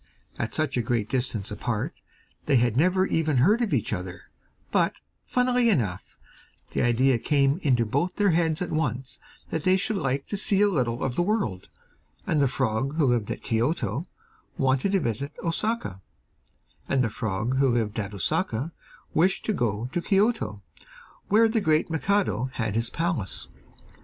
At such a great distance apart, they had never even heard of each other; but, funnily enough, the idea came into both their heads at once that they should like to see a little of the world, and the frog who lived at Kioto wanted to visit Osaka, and the frog who lived at Osaka wished to go to Kioto, where the great Mikado had his palace.